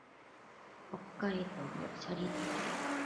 北海道斜里町